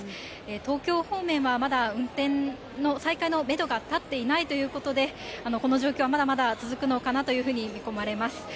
東京方面はまだ、運転の再開のメドが立っていないということで、この状況はまだまだ続くのかなというふうに見込まれます。